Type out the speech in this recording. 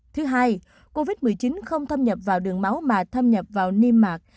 thứ hai covid một mươi chín không thâm nhập vào đường máu mà thâm nhập vào niềm dịch